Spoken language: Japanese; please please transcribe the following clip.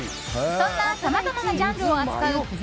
そんなさまざまなジャンルを扱う久世